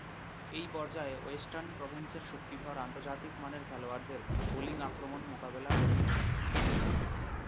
এ পর্যায়ে ওয়েস্টার্ন প্রভিন্সের শক্তিধর আন্তর্জাতিক মানের খেলোয়াড়দের বোলিং আক্রমণ মোকাবেলা করেছিলেন।